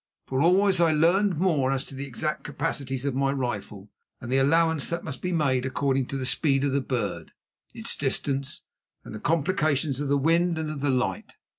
For always I learned more as to the exact capacities of my rifle and the allowance that must be made according to the speed of the bird, its distance, and the complications of the wind and of the light.